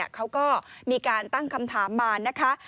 เขาก็มีการตั้งคำถามมานะคะ